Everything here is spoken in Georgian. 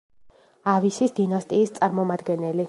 ავისის დინასტიის წარმომადგენელი.